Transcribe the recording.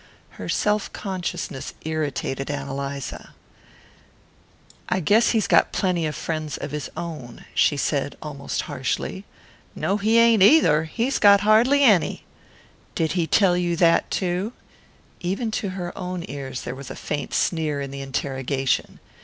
Her self consciousness irritated Ann Eliza. "I guess he's got plenty of friends of his own," she said, almost harshly. "No, he ain't, either. He's got hardly any." "Did he tell you that too?" Even to her own ears there was a faint sneer in the interrogation.